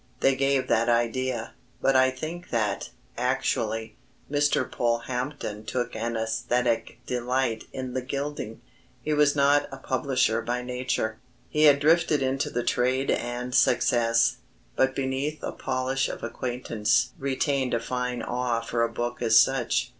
They gave that idea, but I think that, actually, Mr. Polehampton took an aesthetic delight in the gilding. He was not a publisher by nature. He had drifted into the trade and success, but beneath a polish of acquaintance retained a fine awe for a book as such.